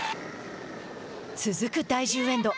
続く第１０エンド